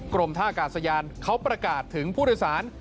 กรมท่ากาศยานเขาประกาศถึงผู้โดยสาร